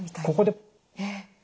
ここで。